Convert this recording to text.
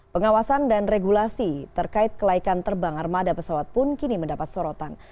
pengawasan dan regulasi terkait kelaikan terbang armada pesawat pun kini mendapat sorotan